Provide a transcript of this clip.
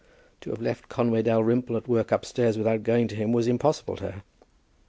To have left Conway Dalrymple at work upstairs without going to him was impossible to her.